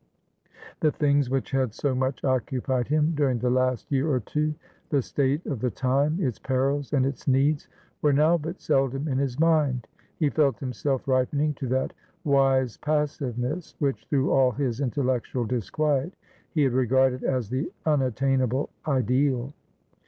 The things which had so much occupied him during the last year or two, the state of the time, its perils and its needs, were now but seldom in his mind: he felt himself ripening to that "wise passiveness," which, through all his intellectual disquiet, he had regarded as the unattainable ideal.